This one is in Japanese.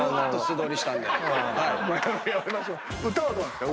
歌はどうですか？